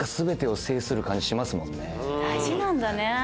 大事なんだね。